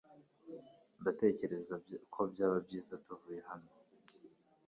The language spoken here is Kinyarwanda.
Ndatekereza ko byaba byiza tuvuye hano